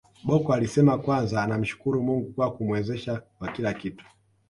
Bocco alisema kwanza anamshukuru Mungu kwa kumwezesha kwa kila kitu